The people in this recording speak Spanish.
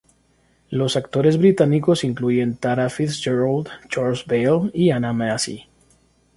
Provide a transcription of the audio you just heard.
Los actores británicos incluyen Tara Fitzgerald, Charles Baile y Anna Massey.